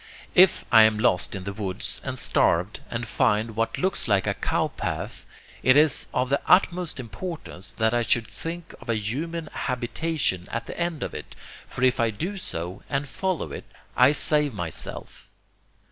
If I am lost in the woods and starved, and find what looks like a cow path, it is of the utmost importance that I should think of a human habitation at the end of it, for if I do so and follow it, I save myself.